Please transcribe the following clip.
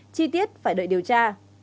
chi tiết phải đợi điều tra